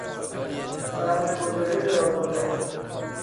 سرمایه گذاری دراز مدت